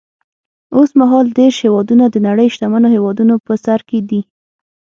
اوس مهال دېرش هېوادونه د نړۍ شتمنو هېوادونو په سر کې دي.